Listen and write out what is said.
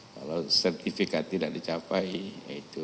kalau sertifikat tidak dicapai ya itu